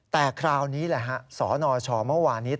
แต่คราวนี้แหละฮะสนชเมื่อวานนี้